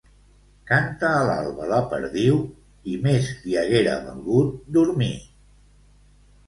Canta a l'alba la perdiu i més li haguera valgut dormir.